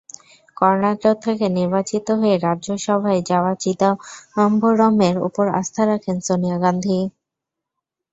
কর্নাটক থেকে নির্বাচিত হয়ে রাজ্যসভায় যাওয়া চিদাম্বরমের ওপর আস্থা রাখেন সোনিয়া গান্ধী।